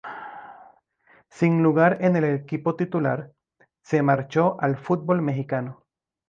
Sin lugar en el equipo titular, se marchó al fútbol mexicano.